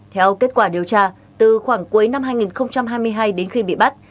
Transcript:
theo kết quả điều tra từ khoảng cuối năm hai nghìn hai mươi hai đến khi bị bắt